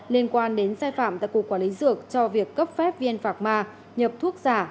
liên quan đến sai phạm tại cục quản lý dược cho việc cấp phép viên phạc ma nhập thuốc giả